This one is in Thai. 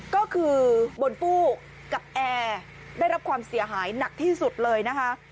ก็คือบนตู้กับแอร์ได้รับความเสียหายหนักที่สุดเลยนะคะ